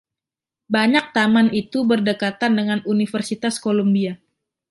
Banyak taman itu berdekatan dengan Universitas Columbia.